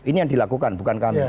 ini yang dilakukan bukan kami